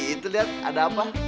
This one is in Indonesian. itu lihat ada apa